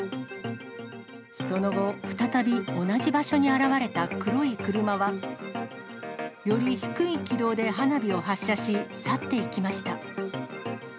その後、再び同じ場所に現れた黒い車は、より低い軌道で花火を発射し、去っていきました。